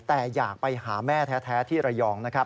แต่อยากไปหาแม่แท้ที่ระยองนะครับ